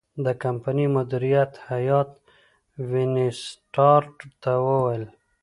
د کمپنۍ مدیره هیات وینسیټارټ ته وویل.